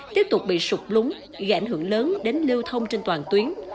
tiếp tục bị sụp lúng gây ảnh hưởng lớn đến lưu thông trên toàn tuyến